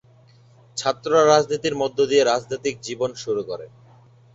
ছাত্র রাজনীতির মধ্য দিয়ে রাজনৈতিক জীবন শুরু করেন।